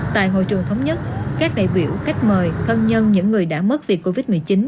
tại hội trường thống nhất các đại biểu khách mời thân nhân những người đã mất việc covid một mươi chín